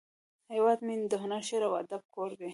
هیواد مې د هنر، شعر، او ادب کور دی